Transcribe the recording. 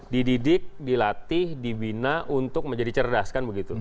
dididik dilatih dibina untuk menjadi cerdas kan begitu